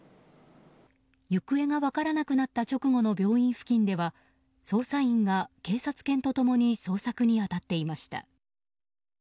行方が分からなくなった直後の病院付近では捜査員が警察犬と共に捜索に当たっていました。